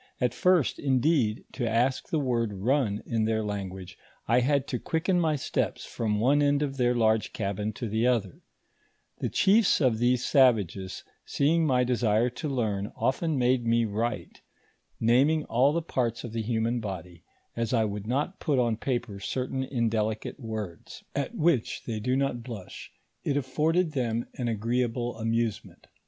At first, indeed, to ask the word run in their language, I had to quicken my steps from one end of their large cabin to the other. The chiefs of these savages seeing my desire to learn, often made me write, naming all the parts of the human body, and as I would not put on paper certain indelicate words, at 11 128 NABRATIVU OF FATIIKR IIICNNBPIN. .1 1 li:i which they do not blush, it afforded them an agrooablo amusement.